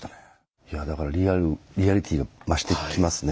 いやだからリアリティーが増してきますね。